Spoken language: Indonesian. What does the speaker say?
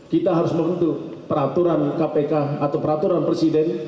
kita harus mengutuk peraturan kpk atau peraturan presiden